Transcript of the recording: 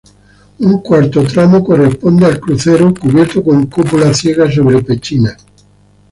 Un cuarto tramo corresponde al crucero, cubierto con cúpula ciega sobre pechinas.